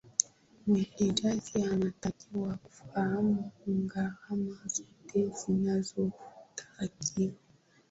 mwekezaji anatakiwa kufahamu gharama zote zinazotakiwa